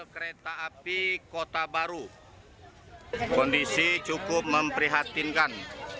kereta api kota baru kondisi cukup memprihatinkan